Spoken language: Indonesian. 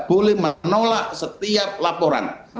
boleh menolak setiap laporan